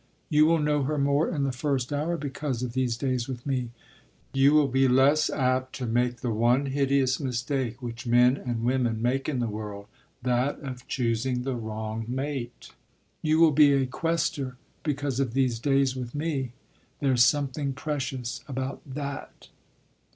You will know her more in the first hour because of these days with me. You will be less apt to make the one hideous mistake which men and women make in the world—that of choosing the wrong mate. You will be a quester because of these days with me. There’s something precious about that."